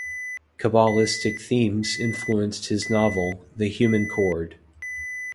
Cabalistic themes influence his novel "The Human Chord".